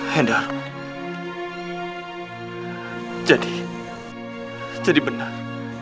hendar jadi benar